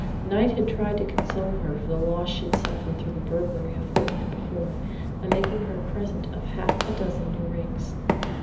Knight had tried to console her for the loss she'd suffered through the burglary a fortnight before by making her a present of half a dozen new rings.